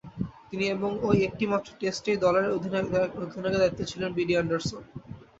তিনি এবং ঐ একটিমাত্র টেস্টেই দলের অধিনায়কের দায়িত্বে ছিলেন বিডি অ্যান্ডারসন।